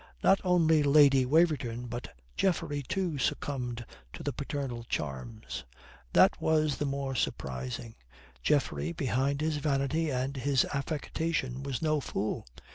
Not only Lady Waverton, but Geoffrey too, succumbed to the paternal charms. That was the more surprising. Geoffrey, behind his vanity and his affectation, was no fool.